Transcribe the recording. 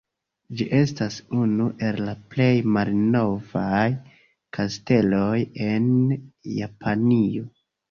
Ĝi estas unu el la plej malnovaj kasteloj en Japanio.